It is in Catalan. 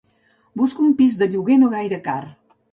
Busco un pis de lloguer no gaire car.